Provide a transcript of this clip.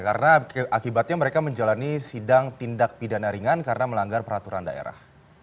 karena akibatnya mereka menjalani sidang tindak pidana ringan karena melanggar peraturan daerah